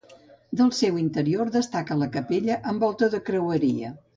Del seu interior destaca la capella amb volta de creueria.